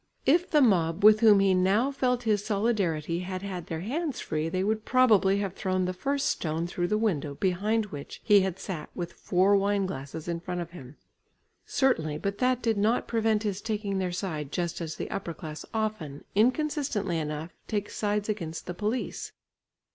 If the mob with whom he now felt his solidarity had had their hands free, they would probably have thrown the first stone through the window, behind which he had sat with four wine glasses in front of him. Certainly, but that did not prevent his taking their side just as the upper class often, inconsistently enough, takes sides against the police.